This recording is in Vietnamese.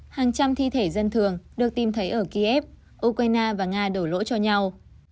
hàng trăm thi thể dân thường được tìm thấy ở kiev ukraine và nga đổ lỗi cho nhau